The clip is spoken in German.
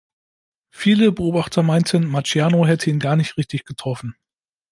Viele Beobachter meinten, Marciano habe ihn gar nicht richtig getroffen.